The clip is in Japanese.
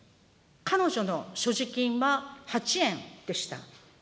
彼女の所持金は８円でした。